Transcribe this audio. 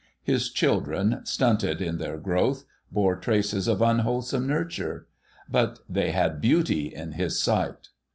His children, stunted in their growth, bore traces of unwholesome nurture ; but they had beauty in his sight.